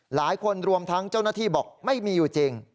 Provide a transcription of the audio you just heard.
รวมทั้งเจ้าหน้าที่บอกไม่มีอยู่จริง